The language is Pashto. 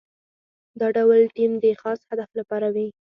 دا ډول ټیم د خاص هدف لپاره وي.